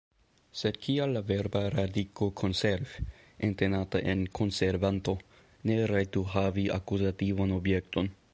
Sed kial la verba radiko konserv, entenata en konservanto, ne rajtu havi akuzativan objekton?